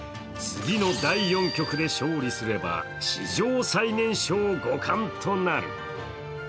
次の第４局で勝利すれば史上最年少五冠となる。